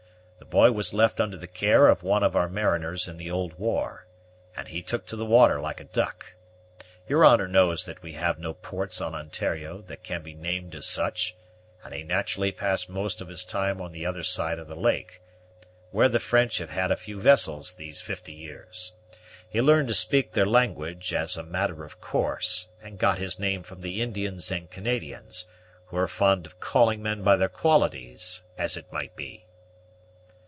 The boy was left under the care of one of our mariners in the old war, and he took to the water like a duck. Your honor knows that we have no ports on Ontario that can be named as such, and he naturally passed most of his time on the other side of the lake, where the French have had a few vessels these fifty years. He learned to speak their language, as a matter of course, and got his name from the Indians and Canadians, who are fond of calling men by their qualities, as it might be."